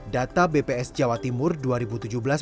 data bps jawa timur dua ribu tujuh belas